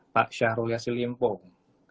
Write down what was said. pak syarul yassin limpong